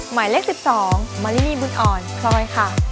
หมายเลข๑๒มะลินีบุญอ่อนคลอย